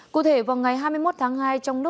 cụ thể vào ngày hai mươi một tháng hai